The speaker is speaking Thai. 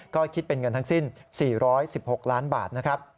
ก็คิดเป็นเงินทั้งสิ้น๔๑๖ล้านบาทนะครับ